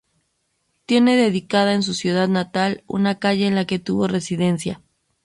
Tiene dedicada en su ciudad natal una calle, en la que tuvo residencia.